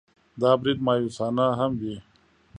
دا برید مأیوسانه هم وي.